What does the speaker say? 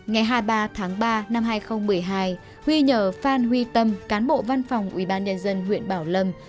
ngày hai mươi ba tháng ba năm hai nghìn một mươi hai huy nhờ phan huy tâm cán bộ văn phòng ubnd huyện bảo lâm